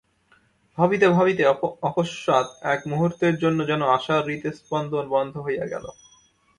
ভাবিতে ভাবিতে অকসমাৎ এক মুহূর্তের জন্য যেন আশার হৃৎস্পন্দন বন্ধ হইয়া গেল।